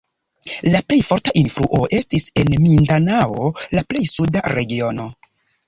La plej forta influo estis en Mindanao, la plej suda regiono.